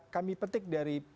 kami petik dari